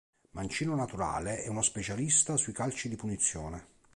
Mancino naturale, è uno specialista sui calci di punizione.